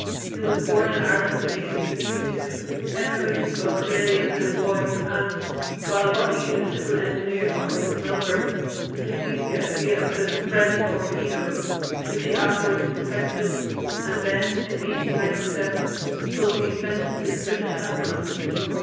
B., who was born in Ireland in 1852, emigrated to Australia when a boy and while working in a civil engineer's office in Melbourne conceived the idea of the "Brennan Torpedo", which he afterwards perfected, and then in 1897 sold the invention to the British Admiralty for £110,000.